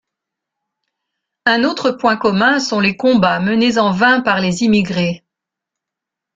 Un autre point commun sont les combats menés en vain par les immigrés.